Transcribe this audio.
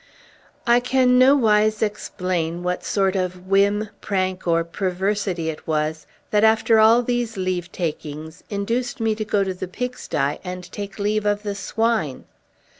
I can nowise explain what sort of whim, prank, or perversity it was, that, after all these leave takings, induced me to go to the pigsty, and take leave of the swine!